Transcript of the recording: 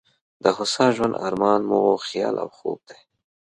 د هوسا ژوند ارمان مو خیال او خوب دی.